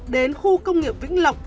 đến khu công nghiệp vĩnh lộng